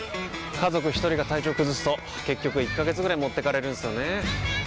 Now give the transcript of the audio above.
家族一人が体調崩すと結局１ヶ月ぐらい持ってかれるんすよねー。